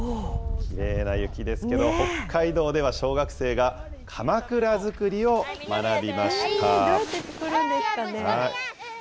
きれいな雪ですけど、北海道では小学生が、かまくら作りを学び